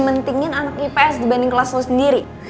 mendingin anak ips dibanding kelas lo sendiri